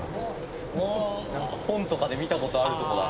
本とかで見た事あるとこだ。